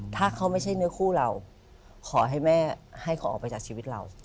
ถ้าเขาไม่ใช่เนื้อคู่เราขอให้แม่ให้เขาออกไปจากชีวิตเรา